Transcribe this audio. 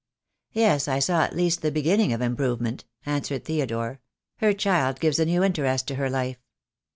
"Yes, I saw at least the beginning of improvement," answered Theodore. "Her child gives a new interest to her life."